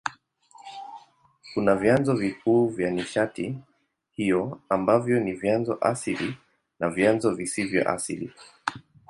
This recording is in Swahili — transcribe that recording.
Kuna vyanzo vikuu vya nishati hiyo ambavyo ni vyanzo asili na vyanzo visivyo asili.